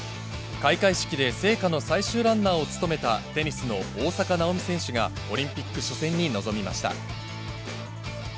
開会式で聖火の最終ランナーを務めた、テニスの大坂なおみ選手が、オリンピック初戦に臨みました。